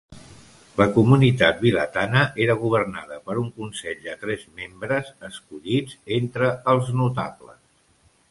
La comunitat vilatana era governada per un consell de tres membres escollits entre els notables.